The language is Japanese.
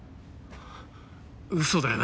嘘だよな？